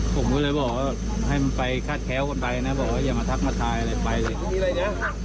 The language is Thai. ผมก็เลยบอกให้มันไปคาดแค้วก่อนไปนะบอกอย่ามาทักษะอะไรไปเลย